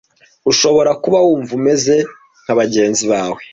ushobora kuba wumva umeze nka bagenzi bawe